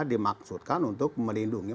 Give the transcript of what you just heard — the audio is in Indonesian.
dimaksudkan untuk melindungi